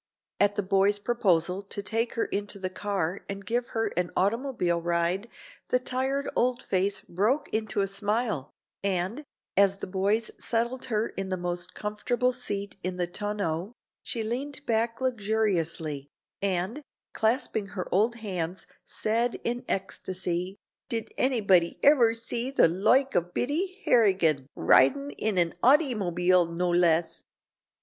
At the boys' proposal to take her into the car and give her an automobile ride, the tired old face broke into a smile, and, as the boys settled her in the most comfortable seat in the tonneau, she leaned back luxuriously, and, clasping her old hands, said in ecstasy, "Did annybody iver see the loike of Biddy Harrigan ridin' in an artymobile, no less."